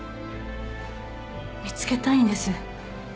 見つけたいんです。